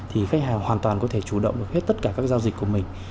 thì khách hàng hoàn toàn có thể chủ động được hết tất cả các giao dịch của mình